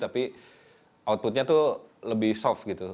tapi outputnya tuh lebih soft gitu